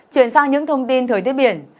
chuyển sang những thông tin thời tiết biển